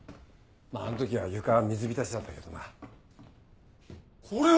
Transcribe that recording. まぁあん時は床は水浸しだったけどな。